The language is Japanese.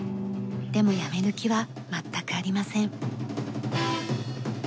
でもやめる気は全くありません。